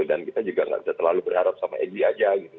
dan kita juga gak bisa terlalu berharap sama egy aja gitu